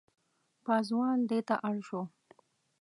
پازوال دېته اړ شو.